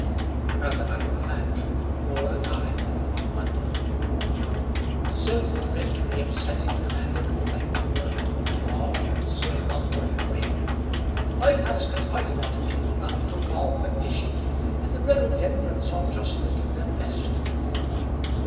As a matter of fact Laura died on Monday. "So dreadfully upsetting," Amanda complained to her uncle in law, Sir Lulworth Quayne. "I've asked quite a lot of people down for golf and fishing, and the rhododendrons are just looking their best."